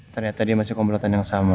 ternyata dia masih komplotan yang sama